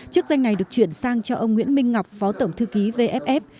chức danh này được chuyển sang cho ông nguyễn minh ngọc phó tổng thư ký vff